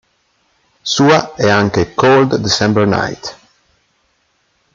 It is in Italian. Sua è anche "Cold December Night".